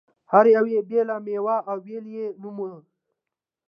هر یوې بېله مېوه او بېل یې نوم و.